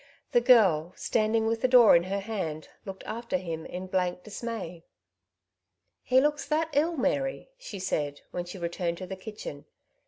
The girl, standing with the door in her hand, looked after him in blank dismay. " He looks that ill, Mary/' she said, when she returned to the kitchen.